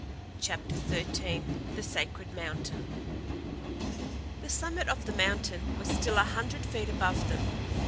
CHAPTER XIII THE SACRED MOUNTAIN THE summit of the mountain was still a hundred feet above them.